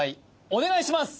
お願いします